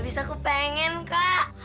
abis aku pengen kak